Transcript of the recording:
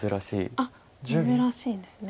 あっ珍しいんですね。